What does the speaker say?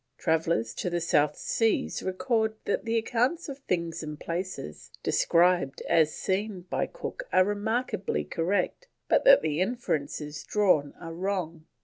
Travellers to the South Seas record that the accounts of things and places described as seen by Cook are remarkably correct, but that the inferences drawn are wrong.